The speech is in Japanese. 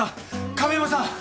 亀山さん！